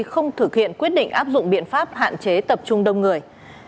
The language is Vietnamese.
không thực hiện quyết định áp dụng biện pháp hạn chế tập trung đông người